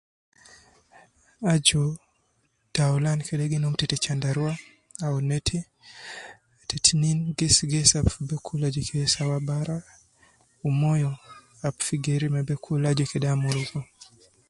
Aju taulan kede gi num tete chandarua au neti, te tinin gesi gesi ab fi be kul aju ke sawa bara wu moyo ab fi geri me be kul aju kede amurugu